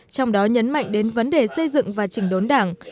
trong đó nhấn mạnh đến vấn đề xây dựng và chỉnh đốn đảng